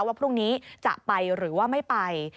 ว่าพรุ่งนี้จะไปหรือว่าไม่ไป